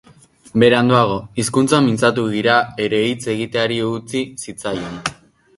Beranduago, hizkuntza mintzatu gira ere hitz egiteari utzi zitzaion.